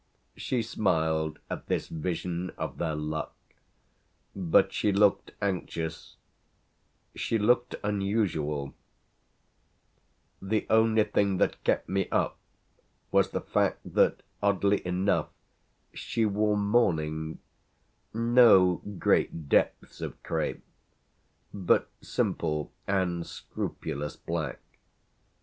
She smiled at this vision of their "luck," but she looked anxious she looked unusual: the only thing that kept me up was the fact that, oddly enough, she wore mourning no great depths of crape, but simple and scrupulous black.